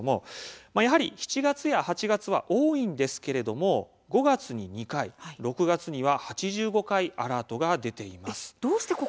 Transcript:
やはり７月や８月は多いんですけれども５月に２回６月には８５回アラートが出ています。